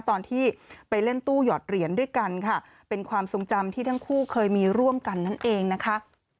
ตอนที่ไปเล่นตู้หยอดเหรียญด้วยกันค่ะเป็นความทรงจำที่ทั้งคู่เคยมีร่วมกันนั่นเองนะคะ